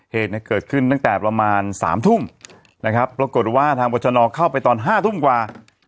เหตุเกิดขึ้นตั้งแต่ประมาณ๓ทุ่มนะครับปรากฏว่าทางบรชนเข้าไปตอน๕ทุ่มกว่า